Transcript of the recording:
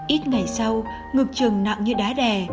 ít ngày sau ngực trường nặng như đá đè